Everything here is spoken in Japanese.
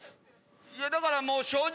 だからもう正直。